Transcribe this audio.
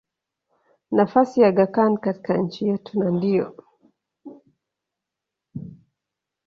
nafasi ya Aga Khan katika nchi yetu na ndiyo